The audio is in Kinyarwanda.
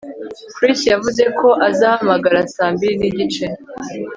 Chris yavuze ko azahamagara saa mbiri nigice